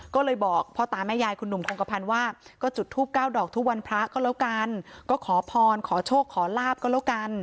ก็เลยบอกพ่อตาแม่ยายคุณหนุ่มคงกระพันว่า